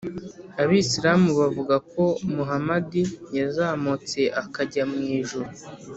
abisilamu bavuga ko muhamadi yazamutse akajya mu ijuru